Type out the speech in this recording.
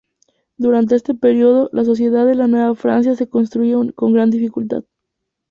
Durante este periodo, la sociedad de la Nueva Francia se construía con gran dificultad.